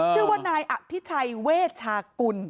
ชื่อว่านายอภิชัยเวชากุล